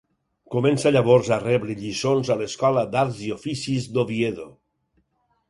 Comença llavors a rebre lliçons a l'Escola d'Arts i Oficis d'Oviedo.